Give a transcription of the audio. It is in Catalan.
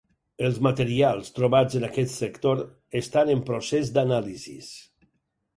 Els materials trobats en aquest sector estan en procés d'anàlisis.